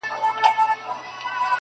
په لیکلو او ویلو کې